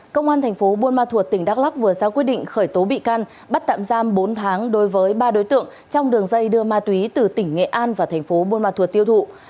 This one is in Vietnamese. công an thành phố buôn ma thuột tỉnh đắk lắc vừa ra quyết định khởi tố bị can bắt tạm giam bốn tháng đối với ba đối tượng trong đường dây đưa ma túy từ tỉnh nghệ an vào thành phố buôn ma thuột tiêu thụ